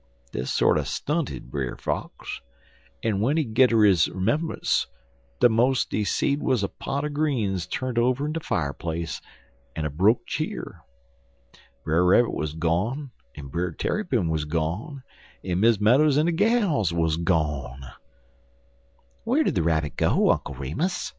Dis sorter stunted Brer Fox, en w'en he gedder his 'membunce de mos' he seed wuz a pot er greens turnt over in de fireplace, en a broke cheer. Brer Rabbit wuz gone, en Brer Tarrypin wuz gone, en Miss Meadows en de gals wuz gone. "Where did the Rabbit go, Uncle Remus?"